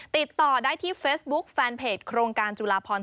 ติดต่อได้ที่เฟซบุ๊คแฟนเพจโครงการจุลาพร